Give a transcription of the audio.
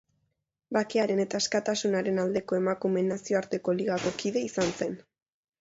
Bakearen eta askatasunaren aldeko emakumeen nazioarteko ligako kide izan zen.